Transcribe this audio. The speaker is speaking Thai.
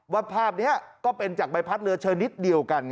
ว่าภาพนี้ก็เป็นจากใบพัดเรือเชิญนิดเดียวกัน